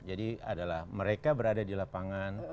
jadi adalah mereka berada di lapangan